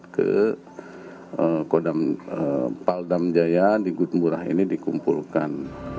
ke kodam paldam jaya di gutemburah ini dikumpulkan